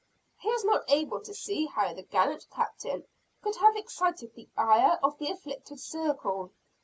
He is not able to see how the gallant Captain could have excited the ire of the "afflicted circle."